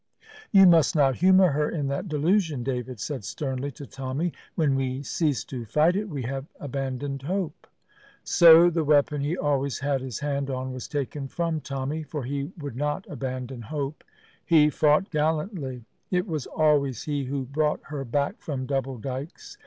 "You must not humour her in that delusion," David said sternly to Tommy; "when we cease to fight it we have abandoned hope." So the weapon he always had his hand on was taken from Tommy, for he would not abandon hope. He fought gallantly. It was always he who brought her back from Double Dykes.